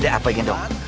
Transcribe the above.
udah apa yang gendong